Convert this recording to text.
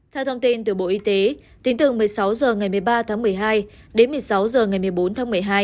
theo thông tin từ bộ y tế tính từ một mươi sáu h ngày một mươi ba tháng một mươi hai đến một mươi sáu h ngày một mươi bốn tháng một mươi hai